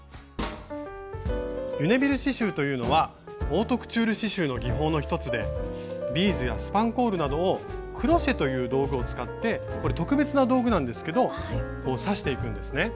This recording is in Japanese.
リュネビル刺しゅうというのはオートクチュール刺しゅうの技法の一つでビーズやスパンコールなどをクロシェという道具を使ってこれ特別な道具なんですけど刺していくんですね。